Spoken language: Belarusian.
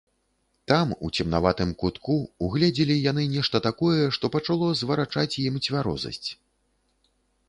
Там, у цемнаватым кутку, угледзелі яны нешта такое, што пачало зварачаць ім цвярозасць.